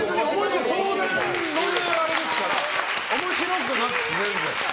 相談に乗るだけですから面白くなくて、全然。